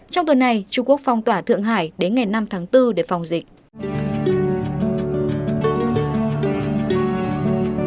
trong tuần này trung quốc phong tỏa thượng hải đến ngày năm tháng bốn để phòng dịch